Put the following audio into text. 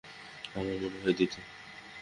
আমার মনে হয় দিতে।